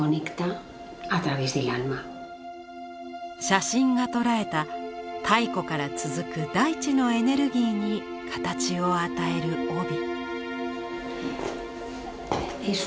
写真が捉えた太古から続く大地のエネルギーに形を与える帯。